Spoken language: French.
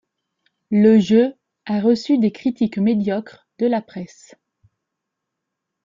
Le jeu a reçu des critiques médiocres de la presse.